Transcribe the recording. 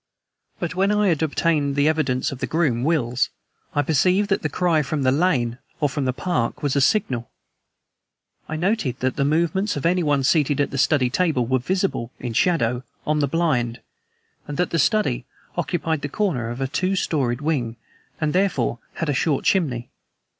But when I had obtained the evidence of the groom, Wills, I perceived that the cry from the lane or from the park was a signal. I noted that the movements of anyone seated at the study table were visible, in shadow, on the blind, and that the study occupied the corner of a two storied wing and, therefore, had a short chimney.